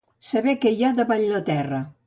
Saber què hi ha davall terra.